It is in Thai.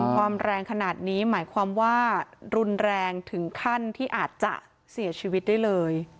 ความแรงขนาดนี้หมายความว่ารุนแรงถึงขั้นที่อาจจะเสียชีวิตได้เลย